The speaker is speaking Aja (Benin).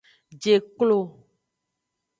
Je klo.